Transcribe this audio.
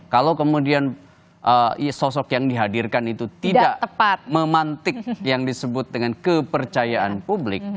kalau kemudian sosok yang dihadirkan itu tidak tepat memantik yang disebut dengan kepercayaan publik